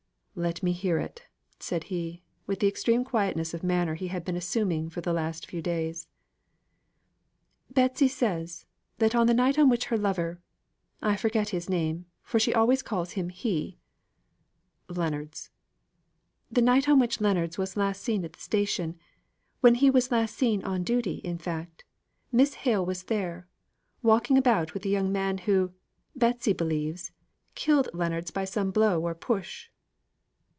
"Let me hear it," said he, with the extreme quietness of manner he had been assuming for the last few days. "Betsy says, that the night on which her lover I forget his name for she always calls him 'he' " "Leonards." "The night on which Leonards was last seen at the station when he was last seen on duty, in fact Miss Hale was there, walking about with a young man who, Bessy believes, killed Leonards by some blow or push."